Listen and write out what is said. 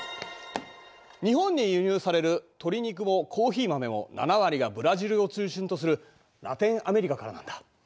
日本に輸入される鶏肉もコーヒー豆も７割がブラジルを中心とするラテンアメリカからなんだ。